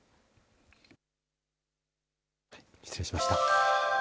失礼しました。